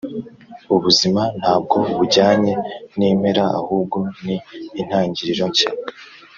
ubuzima ntabwo bujyanye nimpera, ahubwo ni intangiriro nshya